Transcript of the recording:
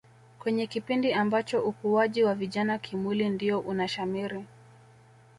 Kwenye kipindi ambacho ukuwaji wa vijana kimwili ndio unashamiri